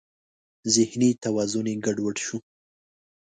ذهني توازن یې ګډ وډ شو.